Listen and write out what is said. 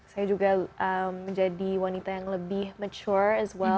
saya juga menjadi wanita yang lebih matur juga